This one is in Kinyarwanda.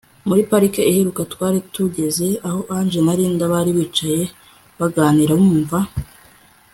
Muri part iheruka twari tugeze aho angel na Linda bari bicaye baganira bumva